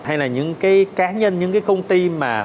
hay là những cái cá nhân những cái công ty mà